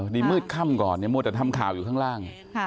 นี่มืดค่ำก่อนเนี่ยมัวแต่ทำข่าวอยู่ข้างล่าง